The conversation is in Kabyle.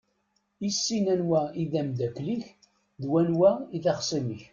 Issin anwa i d amdakel-ik d wanwa i d axṣim-ik!